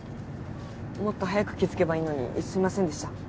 もっと早く気づけばいいのにすみませんでした。